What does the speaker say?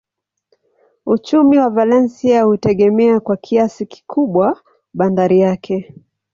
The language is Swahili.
Uchumi wa Valencia hutegemea kwa kiasi kikubwa bandari yake.